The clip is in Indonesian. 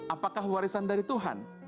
apakah warisan dari tuhan